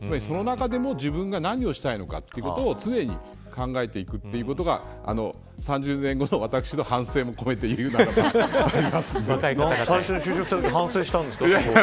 その中でも自分が何をしたいのかということを常に考えていくということが３０年後の私の反省も込めて言うならば、あります